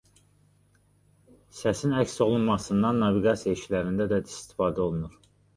Səsin əks olunmasından naviqasiya işlərində də istifadə olunur.